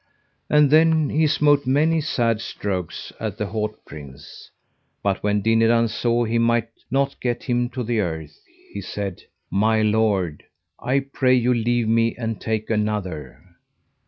And then he smote many sad strokes at the haut prince; but when Dinadan saw he might not get him to the earth he said: My lord, I pray you leave me, and take another.